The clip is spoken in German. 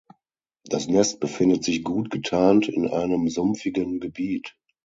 Das Nest befindet sich gut getarnt in einem sumpfigen Gebiet.